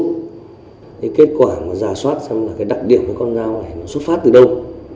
cái kết quả mà giả soát xem là cái đặc điểm của con dao này nó xuất phát từ đâu